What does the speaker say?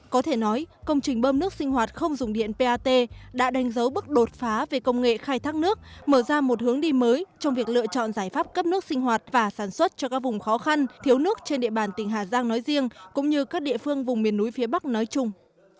có thể nói công trình bơm nước sinh hoạt không dùng điện pat đã đánh dấu bước đột phá về công nghệ khai thác nước mở ra một hướng đi mới trong việc lựa chọn giải pháp cấp nước sinh hoạt và sản xuất cho các vùng khó khăn thiếu nước trên địa bàn tỉnh hà giang nói riêng cũng như các địa phương vùng miền núi phía bắc nói chung